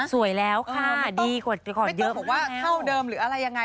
สวยแล้วค่ะดีกว่าเท่าเดิมหรืออะไรยังไง